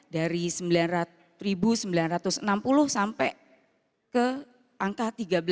dari sembilan sembilan ratus enam puluh sampai ke angka tiga belas